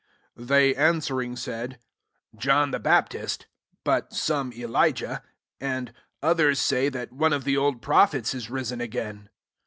12 They an swering, said, "John the Bap tist ; but some Elijah ; and others «oy, that one of the old prophets is risen again."